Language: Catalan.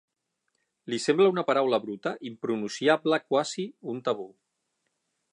Li sembla una paraula bruta, impronunciable, quasi un tabú.